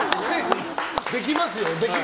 できますよ。